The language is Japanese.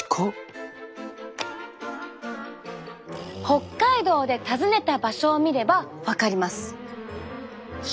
北海道で訪ねた場所を見れば分かります。